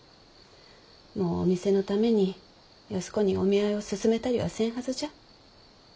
もうお店のために安子にお見合いを勧めたりはせんはずじゃ。